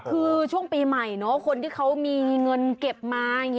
คือช่วงปีใหม่เนาะคนที่เขามีเงินเก็บมาอย่างนี้